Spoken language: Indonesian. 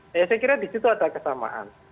saya kira di situ ada kesamaan